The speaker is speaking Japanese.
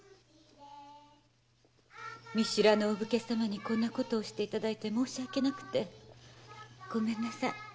見知らぬお武家さまにこんなことをしていただいて申し訳なくてごめんなさい。